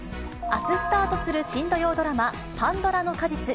あすスタートする新土曜ドラマ、パンドラの果実。